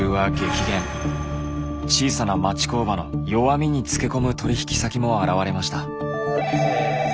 小さな町工場の弱みにつけ込む取引先も現れました。